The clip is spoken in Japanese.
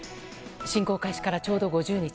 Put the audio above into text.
侵攻開始から、ちょうど５０日。